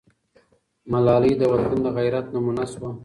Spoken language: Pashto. ملالۍ د وطن د غیرت نمونه سوه.